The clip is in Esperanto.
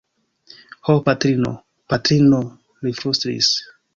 Ho patrino, patrino! li flustris.